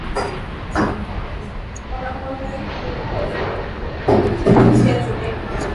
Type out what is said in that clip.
sasa daraja hilo litapunguza hilo hadi kuwa dakika thelathini pekee La hasa Ndipo uweze